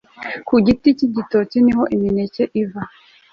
ku giti cy'igitoki niho imineke iva